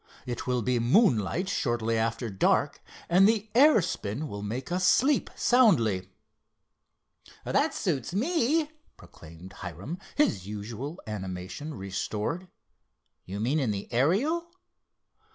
It will be moonlight shortly after dark and the air spin will make us sleep soundly." "That suits me," proclaimed Hiram, his usual animation restored—"you mean in the Ariel?"